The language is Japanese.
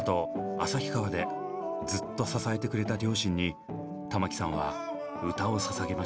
旭川でずっと支えてくれた両親に玉置さんは歌をささげました。